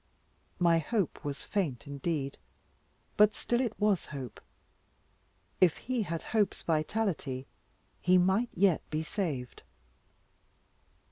My hope was faint indeed, but still it was hope: if he had hope's vitality, he might yet be saved.